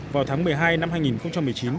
vào tháng một mươi hai năm hai nghìn một mươi chín